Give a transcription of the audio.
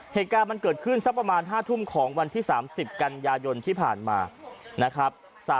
เหตุการณ์มันเกิดขึ้นสักประมาณ๕ทุ่มของวันที่๓๐กันยายนที่ผ่านมานะครับ